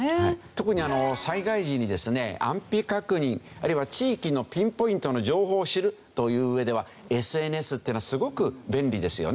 特に災害時にですね安否確認あるいは地域のピンポイントの情報を知るという上ではＳＮＳっていうのはすごく便利ですよね。